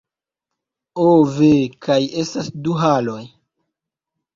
Ho ve kaj estas du haloj